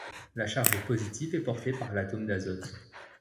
La charge positive est portée par l'atome d'azote.